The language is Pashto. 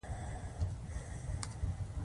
د چرګو غل.